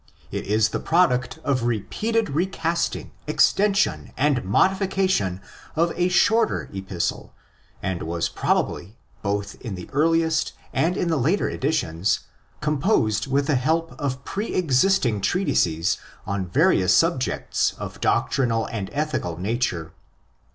It is the product of repeated recasting, extension, and modifi cation of a shorter '' Epistle," and was probably, both in the earliest and in the later editions, composed with the help of pre existing treatises on various subjects of doctrinal and ethical nature.